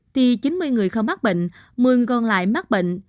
thì chín mươi người không mắc bệnh một mươi còn lại mắc bệnh